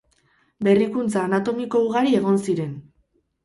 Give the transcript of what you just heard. Berrikuntza anatomiko ugari egon ziren.